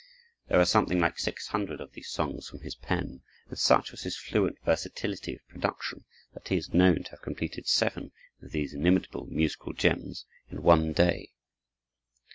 There are something like 600 of these songs from his pen, and such was his fluent versatility of production, that he is known to have completed seven of these inimitable musical gems in one day.